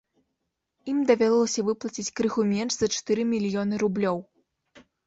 Ім давялося выплаціць крыху менш за чатыры мільёны рублёў.